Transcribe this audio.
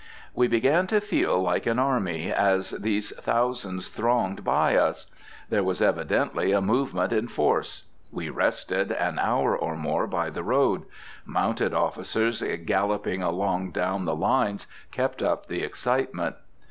We began to feel like an army as these thousands thronged by us. This was evidently a movement in force. We rested an hour or more by the road. Mounted officers galloping along down the lines kept up the excitement.